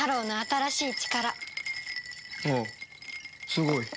すごい。